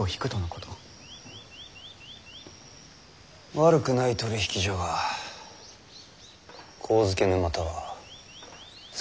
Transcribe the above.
悪くない取り引きじゃが上野沼田は真田の地じゃ。